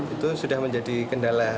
itu sudah menjadi kendala